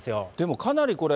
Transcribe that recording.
でもかなりこれ。